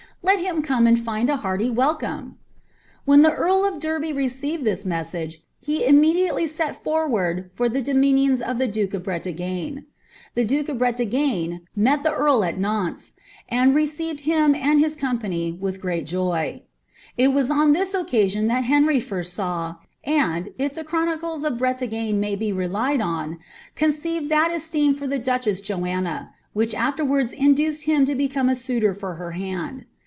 Let him come and find a hearty wdcome .""' When the eari of Derby received this message, he imme diately set forward for the dominions of the duke of Bretagne. The dake of Bretagne' met the earl at Nantes, and received him and his com pany with great joy. It was on this occasion that Henry first saw, and, if the chronicles of Bretagne may be relied on, conceived that esteem for the dochess Joanna, which afterwards induced him to become a suitor for her hand.